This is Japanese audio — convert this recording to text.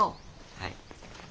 はい。